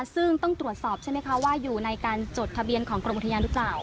ซึ่งต้องตรวจสอบใช่ไหมคะว่าอยู่ในการจดทะเบียนของกรมอุทยานหรือเปล่า